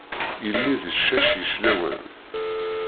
Yelli d ccac yeclawan.